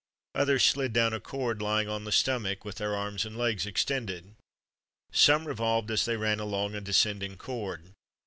Others slid down a cord, lying on the stomach, with their arms and legs extended. Some revolved as they ran along a descending cord.